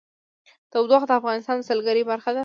تودوخه د افغانستان د سیلګرۍ برخه ده.